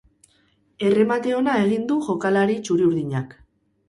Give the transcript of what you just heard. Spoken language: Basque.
Erremate ona egin du jokalari txuri-urdinak.